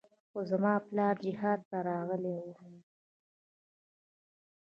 خو زما پلار جهاد ته راغلى و.